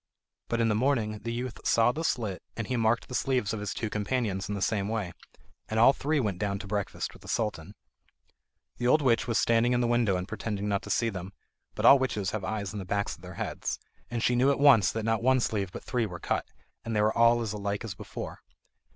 But in the morning the youth saw the slit, and he marked the sleeves of his two companions in the same way, and all three went down to breakfast with the Sultan. The old witch was standing in the window and pretended not to see them; but all witches have eyes in the backs of their heads, and she knew at once that not one sleeve but three were cut, and they were all as alike as before.